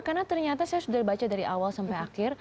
karena ternyata saya sudah baca dari awal sampai akhir